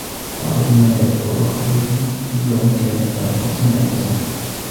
تَعْرُجُ الْمَلَائِكَةُ وَالرُّوحُ إِلَيْهِ فِي يَوْمٍ كَانَ مِقْدَارُهُ خَمْسِينَ أَلْفَ سَنَةٍ